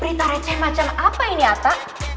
berita receh macam apa ini atta